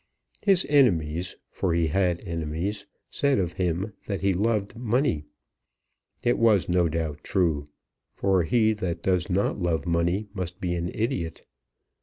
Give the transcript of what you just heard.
His enemies, for he had enemies, said of him that he loved money. It was no doubt true; for he that does not love money must be an idiot.